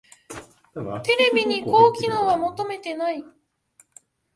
テレビに高機能は求めてない